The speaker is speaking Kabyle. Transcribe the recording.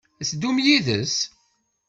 Ad teddumt yid-s?